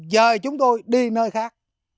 giờ chúng tôi đi nơi khác